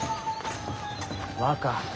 若